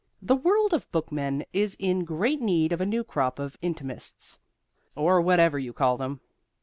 The world of bookmen is in great need of a new crop of intimists, or whatever you call them.